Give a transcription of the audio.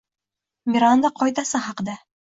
Miranda qoidasi haqida